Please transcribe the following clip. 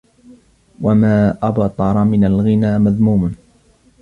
وَمَا أَبْطَرَ مِنْ الْغِنَى مَذْمُومٌ